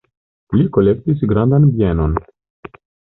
Li kolektis grandan bienon.